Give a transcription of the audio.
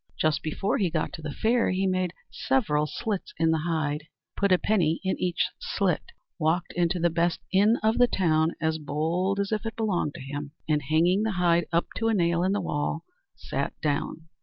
Just before he got to the fair, he made several slits in the hide, put a penny in each slit, walked into the best inn of the town as bold as if it belonged to him, and, hanging the hide up to a nail in the wall, sat down.